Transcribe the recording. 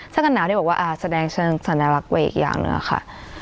สักกันหนาวที่บอกว่าอ่าแสดงฉันแสดงรักเวย์อีกอย่างหนึ่งอะค่ะ